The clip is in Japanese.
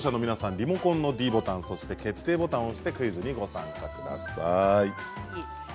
リモコンのｄボタンそして決定ボタンを押してクイズにご参加ください。